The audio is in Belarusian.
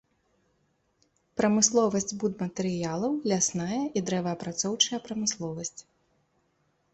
Прамысловасць будматэрыялаў, лясная і дрэваапрацоўчая прамысловасць.